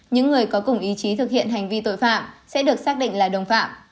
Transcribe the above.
những người có cùng ý chí thực hiện hành vi tội phạm sẽ được xác định là đồng phạm